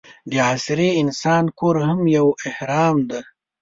د عصري انسان کور هم یو اهرام دی.